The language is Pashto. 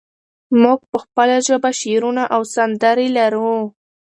موږ په خپله ژبه شعرونه او سندرې لرو.